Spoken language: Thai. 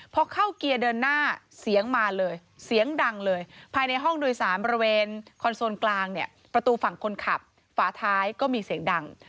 พอเข้าเกียร์เดินหน้าเสียงมาเลยเสียงดังเลยภายในห้องโดยสารบริเวณคอนโซนกลางเนี่ยประตูฝั่งคนขับฝาท้ายก็มีเสียงดัง